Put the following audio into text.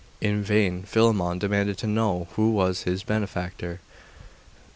In vain Philammon demanded to know who was his benefactor.